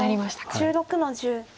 白１６の十。